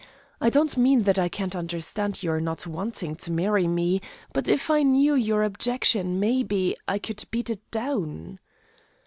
"I don't mean that I can't understand your not wanting to marry me, but if I knew your objection, maybe, I could beat it down."